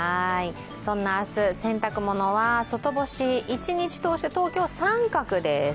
そんな明日、洗濯物は外干し、一日通して東京△です。